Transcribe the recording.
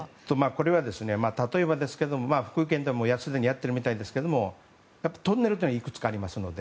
これは例えば福井県でもすでにやっているみたいですがトンネルがいくつかあります。